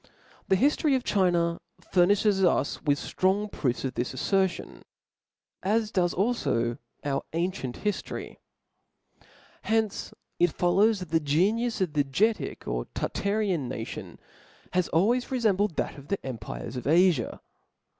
The hiftory of China furnilhes us with ftrong proofs of this aflfertion, as does alfo our^ cient * hiftory. From hence it proceeds that the genius of the Getic or Tartarian nation^ has always reiembled that of the empires of Afia.